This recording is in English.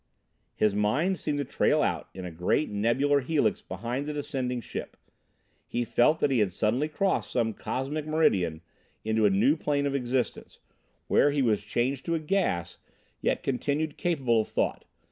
His mind seemed to trail out in a great nebular helix behind the descending ship. He felt that he had suddenly crossed some cosmic meridian into a new plane of existence, where he was changed to a gas, yet continued capable of thought.